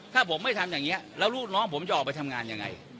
ถ้าผมไม่ทำอย่างนี้แล้วลูกน้องผมจะออกไปทำงานยังไง